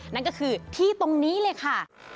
นั่นก็คือที่ตรงนี้เลยค่ะ